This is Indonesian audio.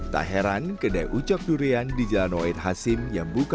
tak heran kedai ucok durian di jalan woi hasim yang buka dua puluh empat jam